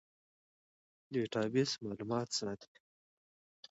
ډیټابیس معلومات ساتي